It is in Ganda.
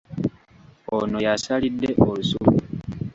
Ono y'asalidde olusuku.